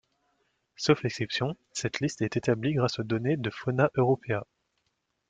Sauf exception, cette liste est établie grâce aux données de Fauna Europaea.